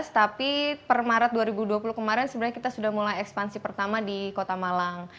tapi per maret dua ribu dua puluh kemarin sebenarnya kita sudah mulai ekspansi pertama di kota malang